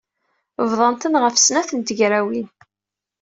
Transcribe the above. Bḍan-ten ɣef snat n tegrawin.